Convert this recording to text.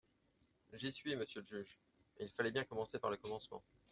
J'y suis, monsieur le juge, mais il fallait bien commencer par le commencement.